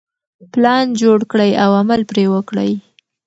پلان جوړ کړئ او عمل پرې وکړئ.